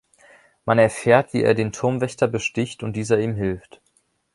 Man erfährt wie er den Turmwächter besticht und dieser ihm hilft.